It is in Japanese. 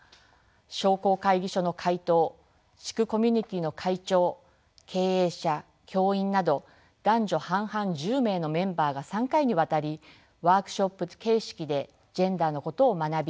商工会議所の会頭地区コミュニティーの会長経営者教員など男女半々１０名のメンバーが３回にわたりワークショップ形式でジェンダーのことを学び